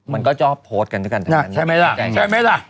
มันก็จอบโพสต์กันใช่มั้ยล่ะ